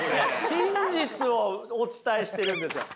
真実をお伝えしてるんですよ！